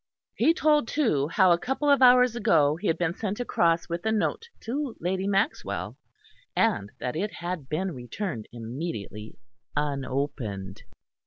He told too how a couple of hours ago he had been sent across with a note to Lady Maxwell, and that it had been returned immediately unopened.